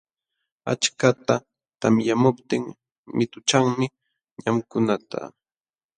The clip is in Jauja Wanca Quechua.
Achkata tamyamuptin mituchanmi ñamkunata.